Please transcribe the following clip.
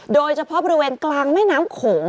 โดยเฉพาะบริเวณกลางแม่น้ำโขง